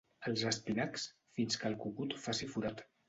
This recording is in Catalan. Els espinacs, fins que el cucut faci forat.